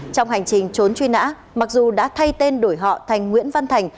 trong hành trình trốn truy nã mặc dù đã thay tên đổi họ thành nguyễn văn thành